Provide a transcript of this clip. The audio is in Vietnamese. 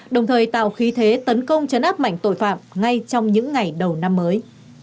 đồng thời tạo khí thế tấn công chấn áp mảnh tội phạm ngay trong những ngày đầu năm mới